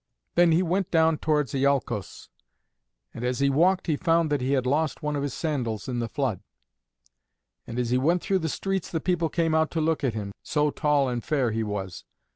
Then he went down towards Iolcos, and as he walked he found that he had lost one of his sandals in the flood. And as he went through the streets the people came out to look at him, so tall and fair he was.